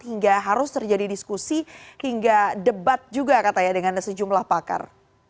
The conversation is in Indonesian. hingga harus terjadi diskusi hingga debat juga katanya dengan sejumlah pakar